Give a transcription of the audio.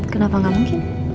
kenapa gak mungkin